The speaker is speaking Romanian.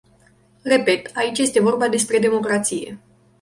Repet, aici este vorba despre democrație.